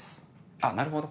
あっなるほど。